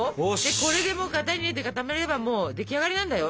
これでもう型に入れて固めればもう出来上がりなんだよ。